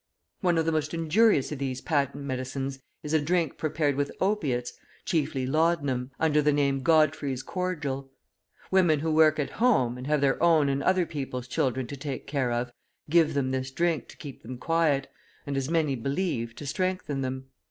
One of the most injurious of these patent medicines is a drink prepared with opiates, chiefly laudanum, under the name Godfrey's Cordial. Women who work at home, and have their own and other people's children to take care of, give them this drink to keep them quiet, and, as many believe, to strengthen them.